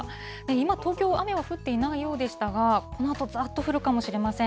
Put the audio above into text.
今、東京、雨は降っていないようでしたが、このあとざーっと降るかもしれません。